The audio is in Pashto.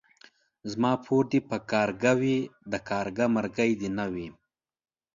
زما پور دي پر کارگه وي ،د کارگه مرگى دي نه وي.